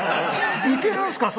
いけるんすか？